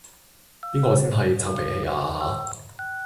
邊個先係臭脾氣啊吓？